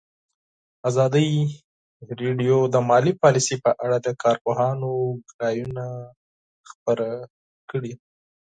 ازادي راډیو د مالي پالیسي په اړه د کارپوهانو خبرې خپرې کړي.